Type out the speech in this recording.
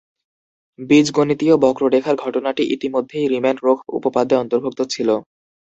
বীজগণিতীয় বক্ররেখার ঘটনাটি ইতিমধ্যেই রিম্যান-রোখ উপপাদ্যে অন্তর্ভুক্ত ছিল।